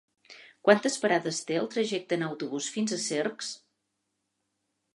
Quantes parades té el trajecte en autobús fins a Cercs?